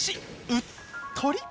うっとり。